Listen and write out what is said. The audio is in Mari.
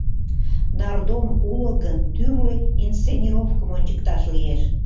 Нардом уло гын, тӱрлӧ инсценировкым ончыкташ лиеш.